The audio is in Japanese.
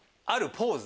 ポーズ？